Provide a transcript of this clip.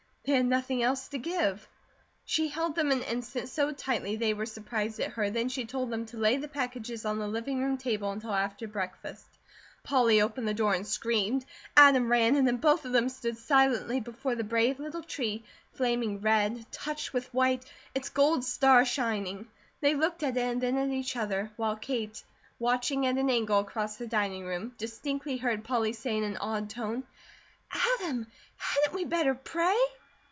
They had nothing else to give. She held them an instant so tightly they were surprised at her, then she told them to lay the packages on the living room table until after breakfast. Polly opened the door, and screamed. Adam ran, and then both of them stood silently before the brave little tree, flaming red, touched with white, its gold star shining. They looked at it, and then at each other, while Kate, watching at an angle across the dining room, distinctly heard Polly say in an awed tone: "Adam, hadn't we better pray?"